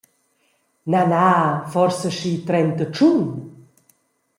Na, na, forsa aschi trentatschun?